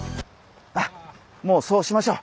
あっもうそうしましょう。